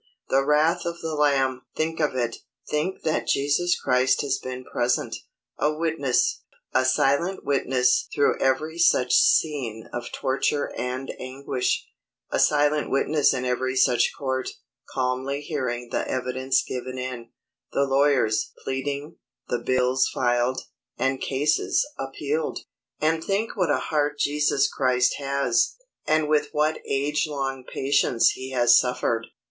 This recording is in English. The wrath of the Lamb! Think of it! Think that Jesus Christ has been present, a witness,—a silent witness through every such scene of torture and anguish,—a silent witness in every such court, calmly hearing the evidence given in, the lawyers pleading, the bills filed, and cases appealed! And think what a heart Jesus Christ has, and with what age long patience he has suffered!